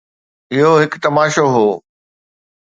اهو هڪ تماشو هو.